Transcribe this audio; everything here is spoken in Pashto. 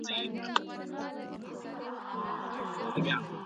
څنګه سوداګریز شرکتونه تازه میوه هند ته لیږدوي؟